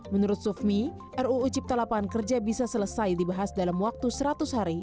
menurut sufmi ruu cipta lapangan kerja bisa selesai dibahas dalam waktu seratus hari